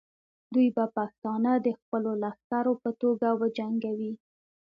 دوی به پښتانه د خپلو لښکرو په توګه وجنګوي.